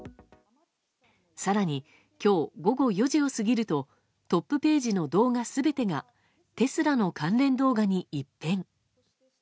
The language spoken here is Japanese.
更に、今日午後４時を過ぎるとトップページの動画全てがテスラの関連動画に一変。